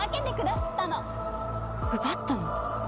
奪ったの？